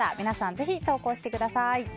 ぜひ投稿してください。